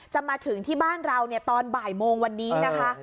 มาถึงที่บ้านเราตอนบ่ายโมงวันนี้นะคะ